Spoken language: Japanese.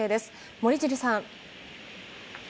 森尻さん。